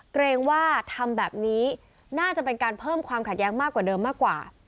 เกรงว่าทำแบบนี้น่าจะเป็นการเพิ่มความขัดแย้งมากกว่าเดิมมากกว่า